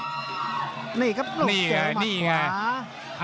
นี่แหละครับลงแกวมาขวา